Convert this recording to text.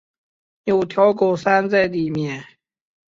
有条狗塞在里面